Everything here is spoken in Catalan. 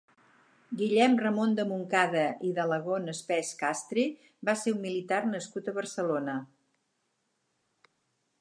Guillem Ramon de Montcada i d'Alagón-Espés-Castre va ser un militar nascut a Barcelona.